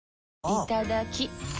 いただきっ！